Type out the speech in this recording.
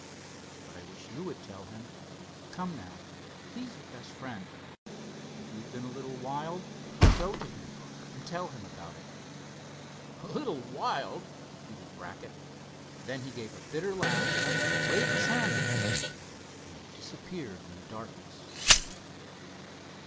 "But I wish you would tell him. Come, now—he's your best friend. If you've been a little wild, go to him and tell him about it." "A little wild!" repeated Brackett. Then he gave a bitter laugh, waved his hand at Dave, and disappeared in the darkness.